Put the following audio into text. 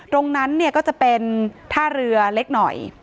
ตรงนั้นเนี่ยก็จะเป็นท่าเรือเล็กหน่อย